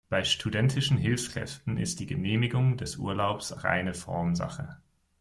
Bei studentischen Hilfskräften ist die Genehmigung des Urlaubs reine Formsache.